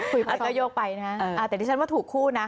เขาโยกไปนะแต่ที่ฉันว่าถูกคู่นะ